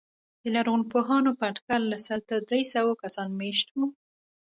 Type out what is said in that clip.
د لرغونپوهانو په اټکل له سل تر درې سوه کسان مېشت وو.